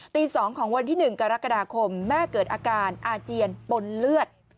ตี๒ของวันที่๑กรกฎาคมแม่เกิดอาการอาเจียนปนเลือด